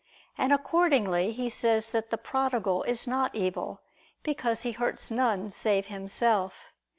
And accordingly, he says that the prodigal is not evil, because he hurts none save himself.